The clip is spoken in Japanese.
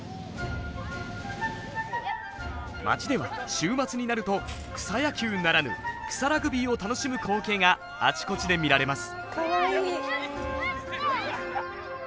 町では週末になると草野球ならぬ草ラグビーを楽しむ光景があちこちで見られます。